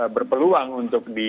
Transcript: berpeluang untuk di